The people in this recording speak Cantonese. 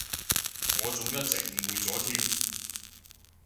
我仲一直誤會咗添